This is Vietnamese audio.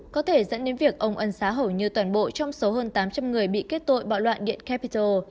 có thể dẫn đến việc ông ân xá hầu như toàn bộ trong số hơn tám trăm linh người bị kết tội bạo loạn điện capital